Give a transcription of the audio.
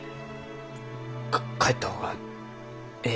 か帰った方がえい。